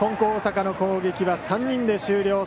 大阪の攻撃は３人で終了。